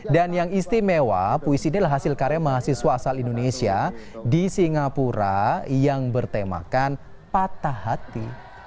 dan yang istimewa puisi ini adalah hasil karya mahasiswa asal indonesia di singapura yang bertemakan patah hati